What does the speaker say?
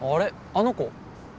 あの子。